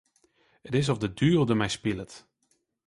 It is oft de duvel dermei spilet.